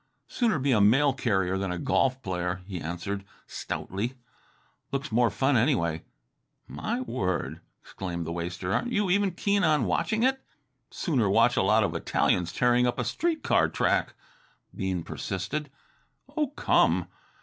"Sooner be a mail carrier than a golf player," he answered stoutly. "Looks more fun, anyway." "My word!" exclaimed the waster, "aren't you even keen on watching it?" "Sooner watch a lot of Italians tearing up a street car track," Bean persisted. "Oh, come!"